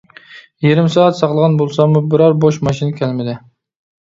يېرىم سائەت ساقلىغان بولساممۇ بىرەر بوش ماشىنا كەلمىدى.